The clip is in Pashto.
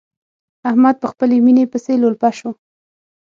احمد په خپلې ميينې پسې لولپه شو.